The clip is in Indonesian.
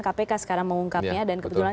kpk sekarang mengungkapnya dan kebetulan